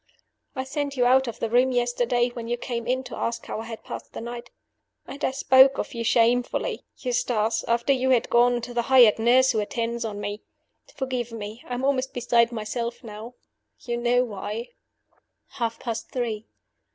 "I sent you out of the room yesterday when you came in to ask how I had passed the night. And I spoke of you shamefully, Eustace, after you had gone, to the hired nurse who attends on me. Forgive me. I am almost beside myself now. You know why. "Half past three.